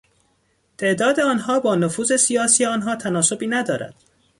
تعداد آنها با نفوذ سیاسی آنها تناسبی ندارد.